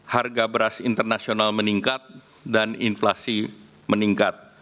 harga beras internasional meningkat dan inflasi meningkat